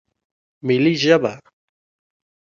ملي ژبه